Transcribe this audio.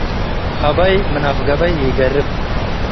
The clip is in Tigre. . ሀበይ ምን አፍ ሀበይ ኢገርብ፣